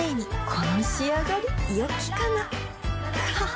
この仕上がりよきかなははっ